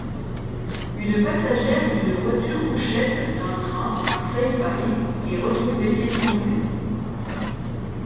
Une passagère d'une voiture-couchettes d’un train Marseille-Paris est retrouvée étranglée.